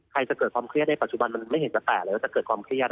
จะเกิดความเครียดในปัจจุบันมันไม่เห็นกระแสเลยว่าจะเกิดความเครียด